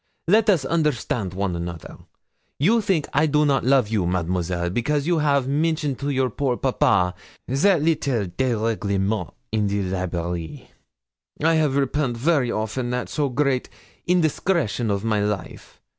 Let us understand one another. You think I do not love you, Mademoiselle, because you have mentioned to your poor papa that little dérèglement in his library. I have repent very often that so great indiscretion of my life.